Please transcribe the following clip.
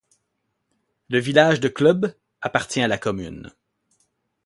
Le village de Klüß appartient à la commune.